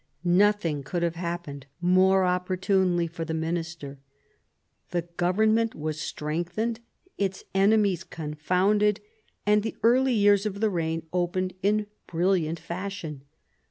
Nothing could have happened more opportunely for the minister. The government was strengthened, its enemies confounded, and the early years of the reign opened in brilliant fashion.